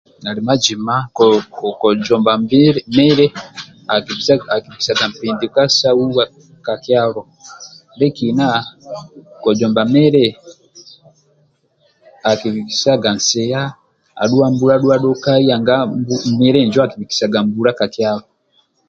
Ali majima kojomba mili akibhikisagha npinduka syahuwa kakyalo ndyekina kojomba mili akibhikisagha nsiya adhuwa mbula dhuwa dhokai nanga mili injo akibhikisaga mbula kakyalo